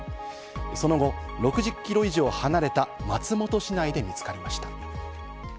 その後、６０キロ以上離れた松本市内で見つかりました。